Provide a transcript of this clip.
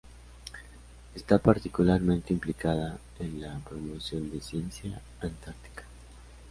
Está particularmente implicada en la promoción de ciencia antártica.